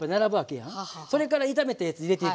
それから炒めたやつ入れていくやん。